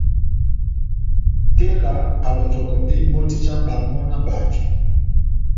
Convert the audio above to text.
Tela a lonjɔkɔndi mbɔti ja bamo na bajo.